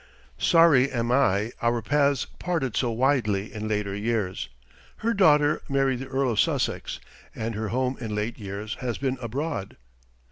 Sorry am I our paths parted so widely in later years. Her daughter married the Earl of Sussex and her home in late years has been abroad.